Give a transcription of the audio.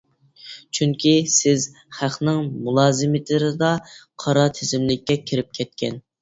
چۈنكى سىز خەقنىڭ مۇلازىمېتىرىدا قارا تىزىملىككە كىرىپ كەتكەن.